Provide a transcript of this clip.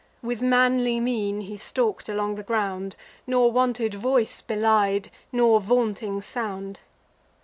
With manly mien he stalk'd along the ground, Nor wanted voice belied, nor vaunting sound.